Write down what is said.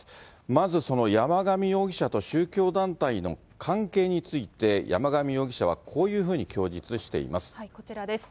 まずその山上容疑者と宗教団体の関係について、山上容疑者はこういうふうに供述しています。